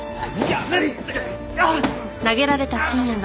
やめて！